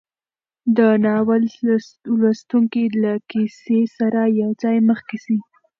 د ناول لوستونکی له کیسې سره یوځای مخکې ځي.